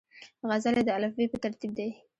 غزلې د الفبې پر ترتیب دي.